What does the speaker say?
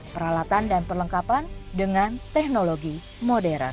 peralatan dan perlengkapan dengan teknologi modern